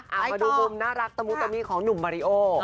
เอามาดูมุมน่ารักตะมุตามี่ของหนุ่มมาริโอ